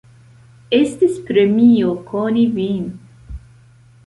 Estis premio koni vin.